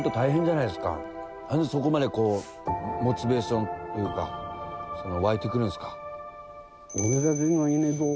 なんでそこまでこうモチベーションというか湧いてくるんですか？